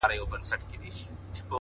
• د ښویېدلي سړي لوري د هُدا لوري؛